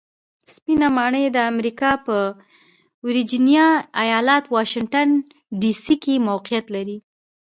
سپینه ماڼۍ د امریکا په ویرجینیا ایالت واشنګټن ډي سي کې موقیعت لري.